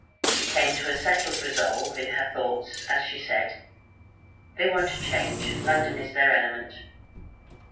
She came to a settled resolve in her thoughts, as she said, 'They want a change. London is their element.'